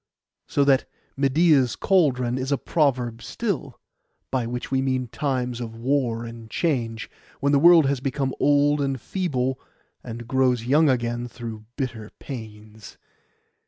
So that 'Medeia's cauldron' is a proverb still, by which we mean times of war and change, when the world has become old and feeble, and grows young again through bitter pains.